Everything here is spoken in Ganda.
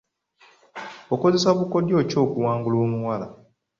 Okozesa bukodyo ki okuwangula omuwala?